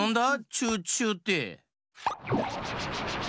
「チュウチュウ」って。